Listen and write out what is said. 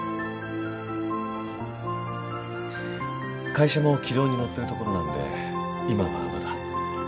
会社も軌道に乗ってるところなんで今はまだ。